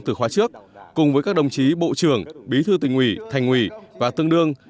từ khóa trước cùng với các đồng chí bộ trưởng bí thư tỉnh ủy thành ủy và tương đương